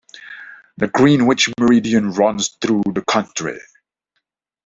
The Greenwich Meridian runs through the county.